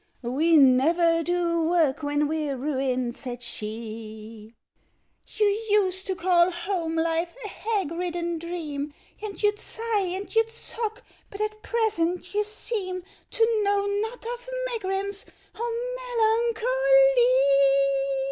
— "We never do work when we're ruined," said she. —"You used to call home life a hag ridden dream, And you'd sigh, and you'd sock; but at present you seem To know not of megrims or melancho ly!"